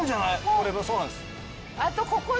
これそうなんです。